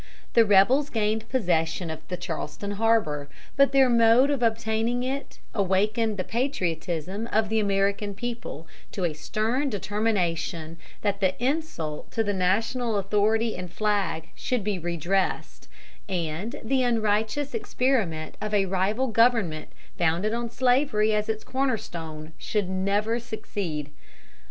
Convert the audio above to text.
The rebels gained possession of Charleston harbor; but their mode of obtaining it awakened the patriotism of the American people to a stern determination that the insult to the national authority and flag should be redressed, and the unrighteous experiment of a rival government founded on slavery as its corner stone should never succeed.